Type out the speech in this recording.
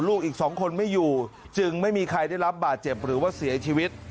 อีก๒คนไม่อยู่จึงไม่มีใครได้รับบาดเจ็บหรือว่าเสียชีวิต